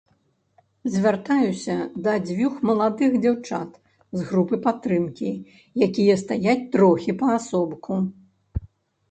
Звяртаюся да дзвюх маладых дзяўчат з групы падтрымкі, якія стаяць трохі паасобку.